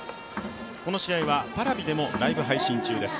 この試合はＰａｒａｖｉでもライブ配信中です。